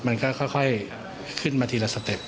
มันก็ค่อยขึ้นมาทีละสเต็ป